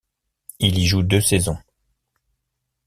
Il y joue deux saisons.